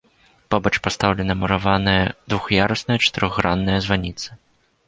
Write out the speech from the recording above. Побач пастаўлена мураваная двух'ярусная чатырохгранная званіца.